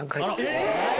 えっ⁉